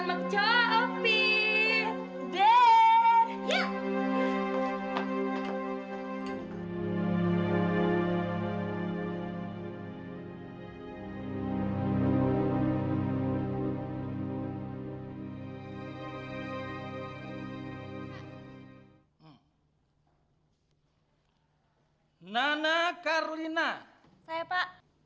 eh bantuin ya